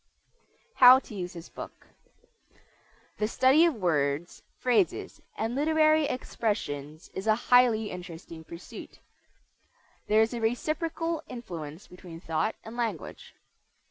HOW TO USE THIS BOOK The study of words, phrases, and literary expressions is a highly interesting pursuit. There is a reciprocal influence between thought and language.